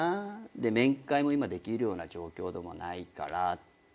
面会も今できるような状況でもないからって。